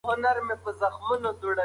د بازار په حالاتو ځان خبر کړه.